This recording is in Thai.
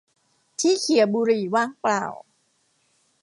ที่เขี่ยบุหรี่ว่างเปล่า